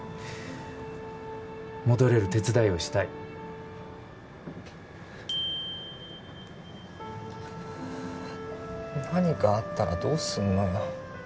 戻れる手伝いをしたい何かあったらどうすんのよ